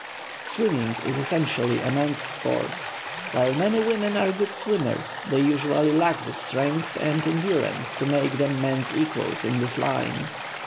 Swimming is essentially a man's sport. While many women are good swimmers, they usually lack the strength and endurance to make them men's equals in this line.